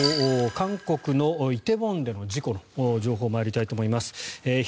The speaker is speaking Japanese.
韓国の梨泰院での事故の情報参りたいと思います。